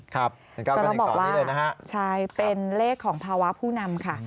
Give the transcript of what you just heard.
ครับ๑๙๙๑ตอนนี้เลยนะฮะใช่เป็นเลขของภาวะผู้นำค่ะ